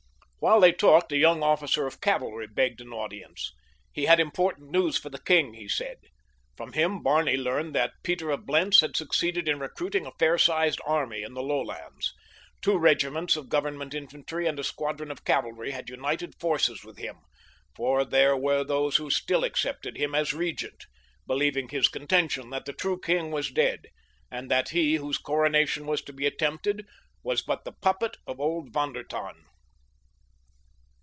While they talked a young officer of cavalry begged an audience. He had important news for the king, he said. From him Barney learned that Peter of Blentz had succeeded in recruiting a fair sized army in the lowlands. Two regiments of government infantry and a squadron of cavalry had united forces with him, for there were those who still accepted him as regent, believing his contention that the true king was dead, and that he whose coronation was to be attempted was but the puppet of old Von der Tann.